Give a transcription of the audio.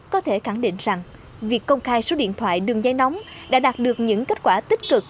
có thể khẳng định rằng việc công khai số điện thoại đường dây nóng đã đạt được những kết quả tích cực